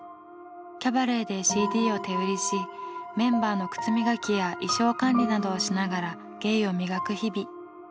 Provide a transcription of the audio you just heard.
キャバレーでＣＤを手売りしメンバーの靴磨きや衣装管理などをしながら芸を磨く日々。